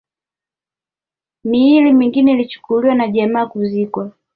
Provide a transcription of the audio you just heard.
Miili mingine ilichukuliwa na jamaa kuzikwa